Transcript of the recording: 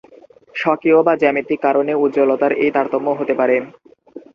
স্বকীয় বা জ্যামিতিক কারণে উজ্জ্বলতার এই তারতম্য হতে পারে।